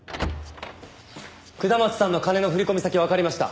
下松さんの金の振込先わかりました。